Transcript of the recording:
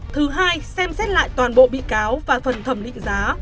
thứ hai xem xét lại toàn bộ bị cáo và phần thẩm định giá